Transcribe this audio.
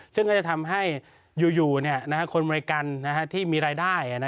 ซึ่งก็จะทำให้อยู่คนอเมริกันที่มีรายได้